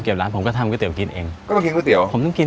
อาจหาส่วนสุดการทำก๋วยเตี๋ยวอาจมีชัดวีดกับก๋วยเตี๋ยว